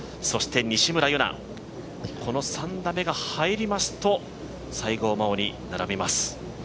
そして、西村優菜、この３打目が入りますと、西郷真央に並びます。